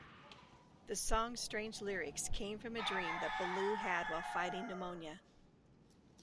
The song's strange lyrics came from a dream that Ballew had while fighting pneumonia.